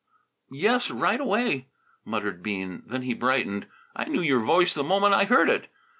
"Yes, right away," muttered Bean. Then he brightened. "I knew your voice the moment I heard it."